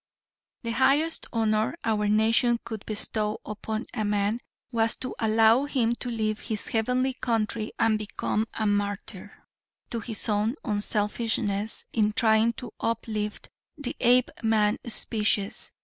The highest honor our nation could bestow upon a man was to allow him to leave his heavenly country and become a martyr to his own unselfishness in trying to uplift the Apeman species.